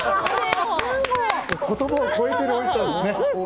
言葉を超えてるおいしさですね。